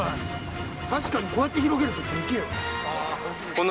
確かにこうやって広げるとでけえよな。